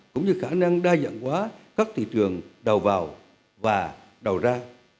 cũng như khả năng đa dạng hóa các thị trường đầu vào và đầu ra